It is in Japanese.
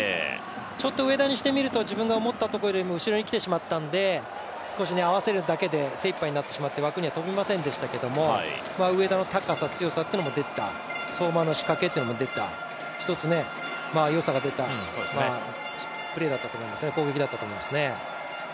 ちょっと上田にしてみると自分が思ったところよりも後ろに来てしまったので少し合わせるだけで精いっぱいになってしまって枠には飛びませんでしたけれども上田の高さ・強さも出てた、相馬の仕掛けっていうのも出た、一つ、良さが出たプレー攻撃だったと思いますね。